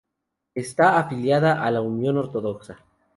Está afiliada a la Unión Ortodoxa.